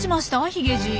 ヒゲじい。